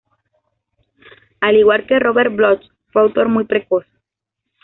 Al igual que Robert Bloch, fue autor muy precoz.